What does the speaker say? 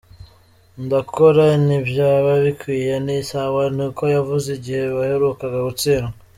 "Ndakora - ni vyaba bikwiye ni sawa," niko yavuze igihe baheruka gutsindwa.